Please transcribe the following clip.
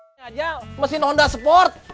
ini aja mesin honda sport